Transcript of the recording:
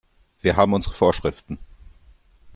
Wir haben unsere Vorschriften.